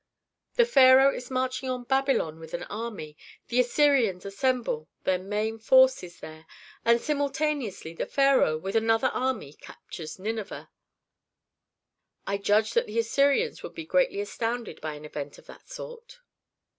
The pharaoh is marching on Babylon with an army, the Assyrians assemble their main forces there, and simultaneously the pharaoh, with another army, captures Nineveh, I judge that the Assyrians would be greatly astounded by an event of that sort."